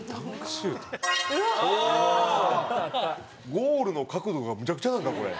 ゴールの角度がめちゃくちゃなんかこれ。